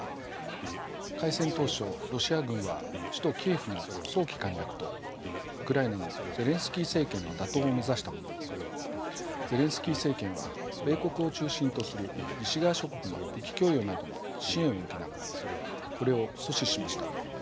開戦当初ロシア軍は首都キーウの早期陥落とウクライナのゼレンスキー政権の打倒を目指したもののゼレンスキー政権は米国を中心とする西側諸国の武器供与などの支援を受けながらこれを阻止しました。